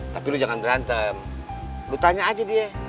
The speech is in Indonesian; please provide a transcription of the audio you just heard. tapi lo jangan berantem lo tanya aja dia